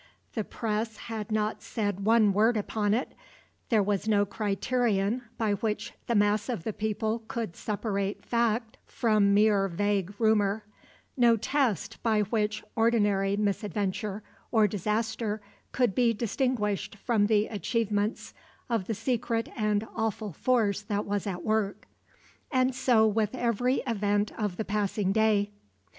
The press had not said one word upon it, there was no criterion by which the mass of the people could separate fact from mere vague rumor, no test by which ordinary misadventure or disaster could be distinguished from the achievements of the secret and awful force that was at work. And so with every event of the passing day.